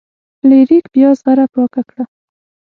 فلیریک بیا زغره پاکه کړه.